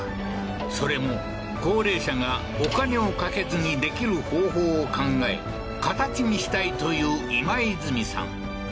それも高齢者がお金をかけずにできる方法を考え形にしたいという今泉さん